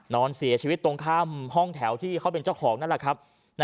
นอนเสียชีวิตตรงข้ามห้องแถวที่เขาเป็นเจ้าของนั่นแหละครับ